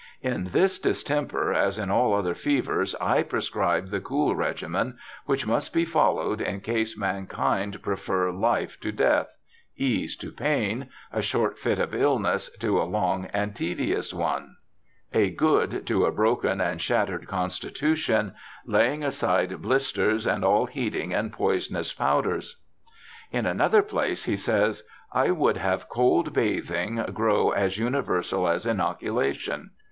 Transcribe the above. * In this Distemper as in all other Fevers, I prescribe the cool Regimen, which must be followed in case Mankind prefer Life to Death ; Ease to Pain ; a short Fit of Illness to a long and tedious one; a good to a broken and shattered 32 BIOGRAPHICAL ESSAYS constitution, la3'ing aside Blisters and all heating and poisonous Powders.' In another place he says, ' I would have cold bathing grow as universal as inoculation.'